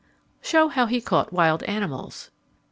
_ _Show how he caught wild animals.